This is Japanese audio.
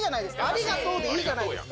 ありがとうでいいじゃないですか。